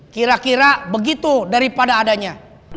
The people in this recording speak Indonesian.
kira kira begitu daripada adanya